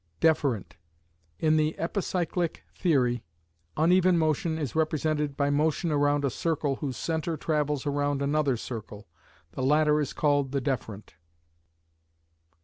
Deferent: In the epicyclic theory, uneven motion is represented by motion round a circle whose centre travels round another circle, the latter is called the deferent.